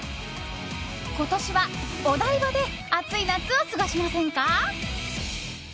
今年は、お台場で熱い夏を過ごしませんか？